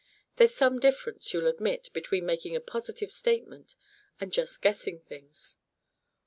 There's some difference, you'll admit between making a positive statement, and just guessing things."